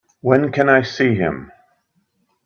When can I see him?